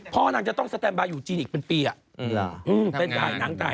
พ่อนางจะต้องสแตนบายอยู่จีนอีกเป็นปีอ่ะ